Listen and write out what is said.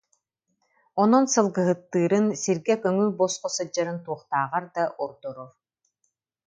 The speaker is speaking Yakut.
Онон сылгыһыттыырын, сиргэ көҥүл-босхо сылдьарын туохтааҕар да ордорор